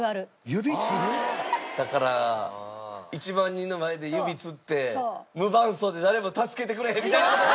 指つる？だから１万人の前で指つって無伴奏で誰も助けてくれへんみたいな事が。